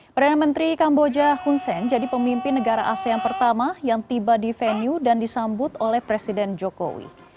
perdana menteri kamboja hun sen jadi pemimpin negara asean pertama yang tiba di venue dan disambut oleh presiden jokowi